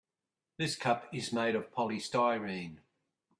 This cup is made of polystyrene.